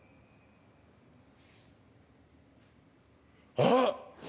あっ！